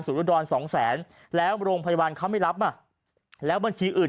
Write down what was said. อุดรสองแสนแล้วโรงพยาบาลเขาไม่รับอ่ะแล้วบัญชีอื่น